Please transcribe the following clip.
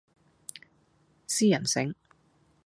私人醒